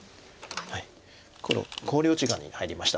黒考慮時間に入りました